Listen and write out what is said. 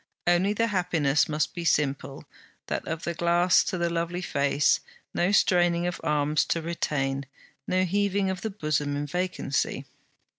Only the happiness must be simple, that of the glass to the lovely face: no straining of arms to retain, no heaving of the bosom in vacancy.